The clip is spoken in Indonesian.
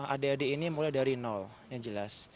adik adik ini mulai dari nol yang jelas